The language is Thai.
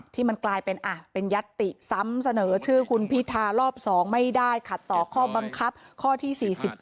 ที่มันกลายเป็นยัตติซ้ำเสนอชื่อคุณพิธารอบ๒ไม่ได้ขัดต่อข้อบังคับข้อที่๔๗